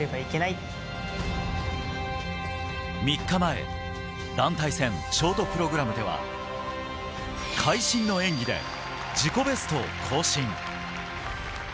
３日前、団体戦ショートプログラムでは会心の演技で自己ベストを更新。